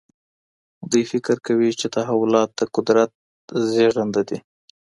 دوی فکر کوي چي تحولات د قدرت زیږنده دي.